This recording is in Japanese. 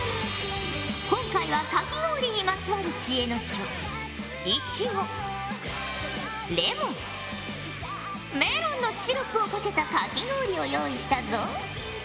今回はかき氷にまつわる知恵の書。のシロップをかけたかき氷を用意したぞ。